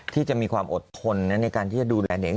ที่จะมีความอดทนในการที่จะดูแลเด็ก